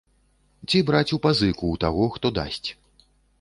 Ці браць у пазыку ў таго, хто дасць.